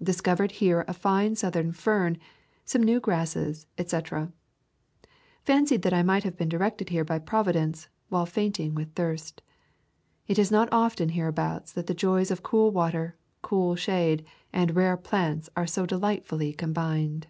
Discovered here a fine southern fern, some new grasses, etc. Fancied that I might have been directed here by Providence, while fainting with thirst. It is not often hereabouts that the joys of cool water, cool shade, and rare plants are so de lightfully combined.